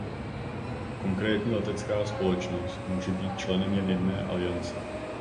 Konkrétní letecká společnost může být členem jen jedné aliance.